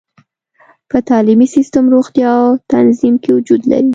په تعلیمي سیستم، روغتیا او تنظیم کې وجود لري.